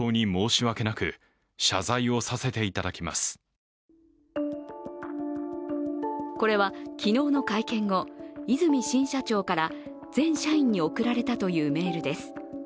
更にこれは昨日の会見後和泉新社長から全社員に送られたというメールです。